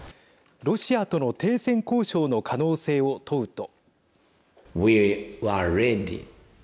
ロシアとの停戦交渉の可能性を問うと。